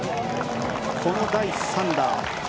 この第３打。